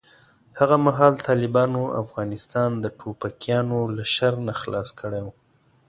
هغه مهال طالبانو افغانستان د ټوپکیانو له شر نه خلاص کړی و.